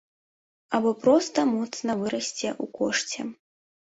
Або проста моцна вырасце ў кошце.